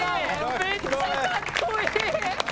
めっちゃかっこいい。